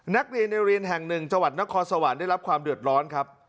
นักเรียนในเรียนแห่งหนึ่งจังหวัดนครสวรรค์ได้รับความเดือดร้อนครับ